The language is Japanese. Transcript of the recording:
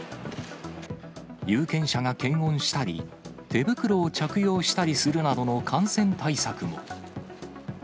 有権者が検温したり、手袋を着用したりするなどの感染対策も。